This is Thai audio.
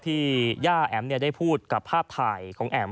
ที่หญ้าแอ๋มเนี่ยได้พูดกับภาพถ่ายของแอ๋ม